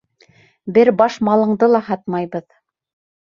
Бер баш малыңды ла һатмайбыҙ!